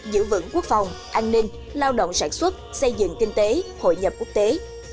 giữ vững quốc phòng an ninh lao động sản xuất xây dựng kinh tế hội nhập quốc tế